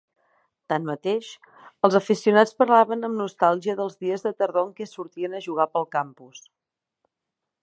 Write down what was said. Tanmateix, els aficionats parlaven amb nostàlgia dels dies de tardor en què sortien a jugar pel campus.